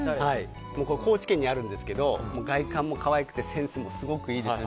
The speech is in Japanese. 高知県にあるんですけど外観も可愛くてセンスもすごくいいです。